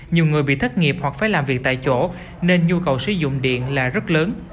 nhiều người bị thất nghiệp hoặc phải làm việc tại chỗ nên nhu cầu sử dụng điện là rất lớn